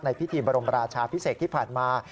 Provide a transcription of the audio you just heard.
พิธีบรมราชาพิเศษที่ผ่านมา